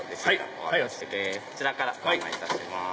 こちらからご案内いたします。